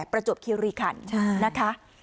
ประจวบคิวรีคันนะคะ